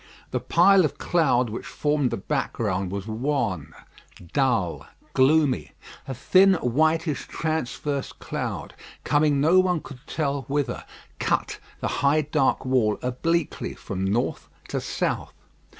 The pile of cloud which formed the background was wan, dull, gloomy. A thin, whitish transverse cloud, coming no one could tell whither, cut the high dark wall obliquely from north to south.